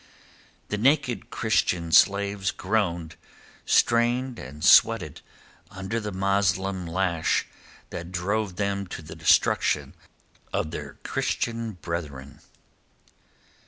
The naked Christian slaves groaned, strained and sweated under the Moslem lash that drove them to the destruction of their Christian brethren.